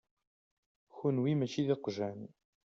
Kunwi mačči d iqjan.